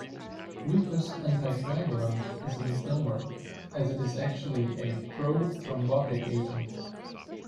Lupus anticoagulant is a misnomer, as it is actually a prothrombotic agent.